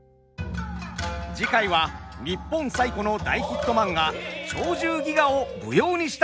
次回は日本最古の大ヒットマンガ「鳥獣戯画」を舞踊にした作品です。